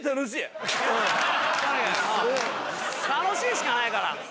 楽しいしかないから。